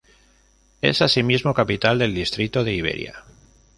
Es asimismo capital del distrito de Iberia.